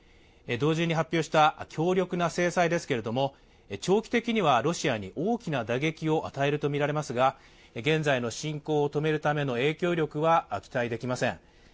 同時に発表した強力な制裁ですけれども長期的にはロシアに大きな打撃を与えるとみられますが現在の侵攻を止めるための影響力は期待できません。